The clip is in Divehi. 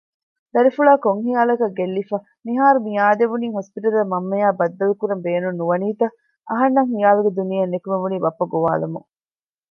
ދަރިފުޅާ ކޮންހިޔާލަކަށް ގެއްލިފަ! މިހާރުމިއާދެވުނީ ހޮސްޕިޓަލަށް މަންމައާއި ބައްދަލުކުރަން ބޭނުންނުވަނީތަ؟ އަހަންނަށް ހިޔާލުގެ ދުނިޔެއިން ނިކުމެވުނީ ބައްޕަ ގޮވާލުމުން